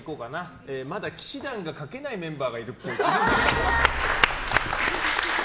まだ氣志團が書けないメンバーがいるっぽい。